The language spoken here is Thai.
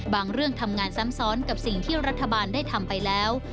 เรื่องทำงานซ้ำซ้อนกับสิ่งที่รัฐบาลได้ทำไปแล้ว